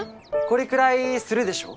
これくらいするでしょ？